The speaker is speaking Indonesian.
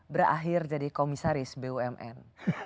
berakhir jadi komisaris bumn